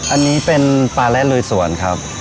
อันนี้เป็นปลาและลุยสวนครับ